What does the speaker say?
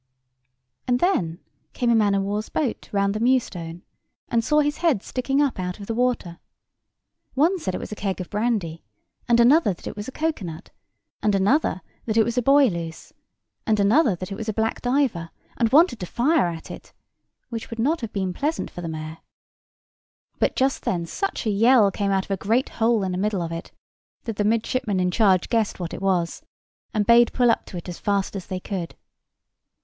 And then came a man of war's boat round the Mewstone, and saw his head sticking up out of the water. One said it was a keg of brandy, and another that it was a cocoa nut, and another that it was a buoy loose, and another that it was a black diver, and wanted to fire at it, which would not have been pleasant for the mayor: but just then such a yell came out of a great hole in the middle of it that the midshipman in charge guessed what it was, and bade pull up to it as fast as they could.